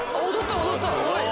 踊った！